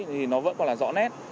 thì nó vẫn còn là rõ nét